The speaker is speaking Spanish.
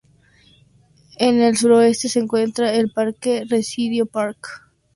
En el suroeste se encuentra el Parque Presidio Park.